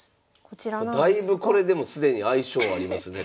だいぶこれでも既に相性ありますね。